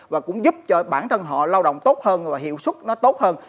và cũng giúp cho bản thân họ lao động tốt hơn và hiệu suất nó tốt hơn